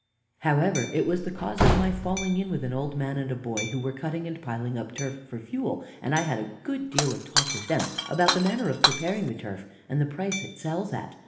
However, it was the cause of my falling in with an old man and a boy who were cutting and piling up turf for fuel, and I had a good deal of talk with them about the manner of preparing the turf, and the price it sells at.